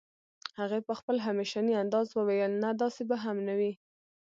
هغې په خپل همېشني انداز وويل نه داسې به هم نه وي